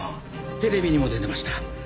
テレビにも出てました。